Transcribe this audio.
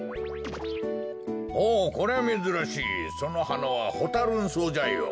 ほうこりゃめずらしいそのはなはホタ・ルン草じゃよ。